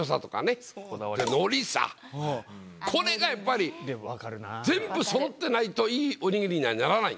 これがやっぱり全部そろってないといいおにぎりにはならない。